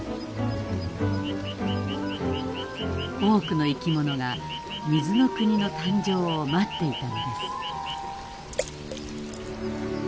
多くの生き物が水の国の誕生を待っていたのです。